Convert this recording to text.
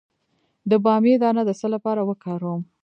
د بامیې دانه د څه لپاره وکاروم؟